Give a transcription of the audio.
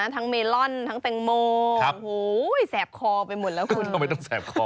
แปลกลำนะทั้งเมลล่อนทั้งแตงโมเนี้ยโหแสบคอไปหมดแล้วเพื่อน